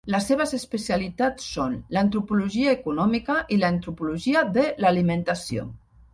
Les seves especialitats són l’antropologia econòmica i l'antropologia de l'alimentació.